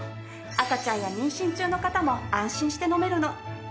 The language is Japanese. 赤ちゃんや妊娠中の方も安心して飲めるの。